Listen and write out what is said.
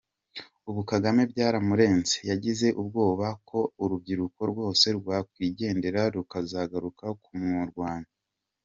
Ubu Kagame byamurenze, yagize ubwoba ko urubyiruko rwose rwakwigendera rukazagaruka ku murwanya.